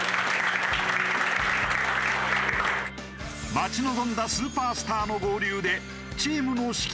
待ち望んだスーパースターの合流でチームの士気が高まっている。